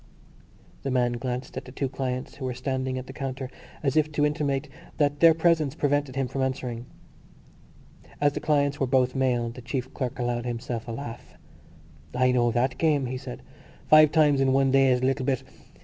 The man glanced at the two clients who were standing at the counter as if to intimate that their presence prevented him from answering. As the clients were both male the chief clerk allowed himself a laugh. "I know that game," he said. "Five times in one day is a little bit....